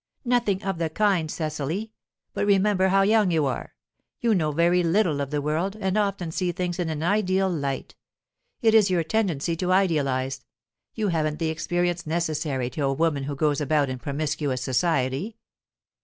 "Nothing of the kind, Cecily. But remember how young you are. You know very little of the world, and often see things in an ideal light. It is your tendency to idealize. You haven't the experience necessary to a woman who goes about in promiscuous society."